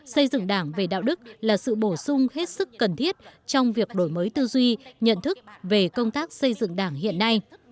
xây dựng đảng về đạo đức là sự bổ sung hết sức cần thiết trong việc đổi mới tư duy nhận thức về công tác xây dựng đảng hiện nay